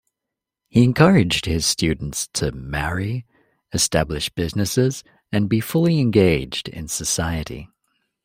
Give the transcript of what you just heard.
He encouraged his students to marry, establish businesses, and be fully engaged in society.